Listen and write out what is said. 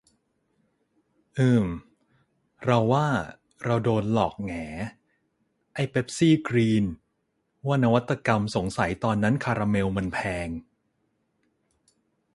อืม เราว่า เราโดนหลอกแหง ไอ้เป็ปซี่กรีน ว่านวัตกรรม สงสัยตอนนั้นคาราเมลมันแพง